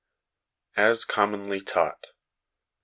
As commonly Taught.